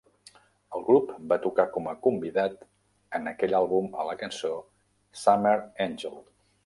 El grup va tocar com a convidat en aquell àlbum, a la cançó "Summer Angel".